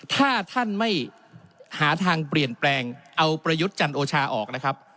ถ้าท่านไม่หาทางเปลี่ยนแปลงเอาประยุทธ์จันโอชาออกนะครับ